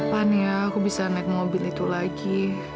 pan ya aku bisa naik mobil itu lagi